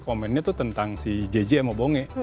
komennya tuh tentang si jj yang mau bongge